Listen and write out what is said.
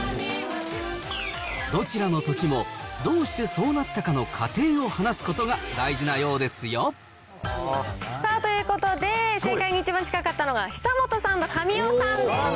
どちらのときも、どうしてそうなったかの過程を話すことが大事なようですよ。ということで、正解に一番近かったのが、久本さんと神尾さんです。